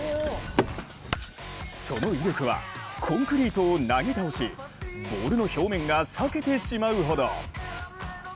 その威力はコンクリートをなぎ倒し、ボールの表面が裂けてしまうほど。